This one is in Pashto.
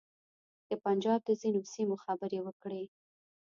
د پنجاب د ځینو سیمو خبرې وکړې.